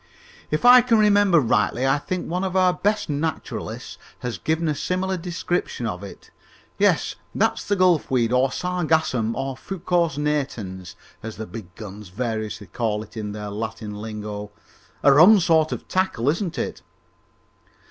"If I can remember rightly, I think one of our best naturalists has given a similar description of it. Yes, that's the gulf weed, or sargassum, or fucus natans, as the big guns variously call it in their Latin lingo. A rum sort of tackle, isn't it?"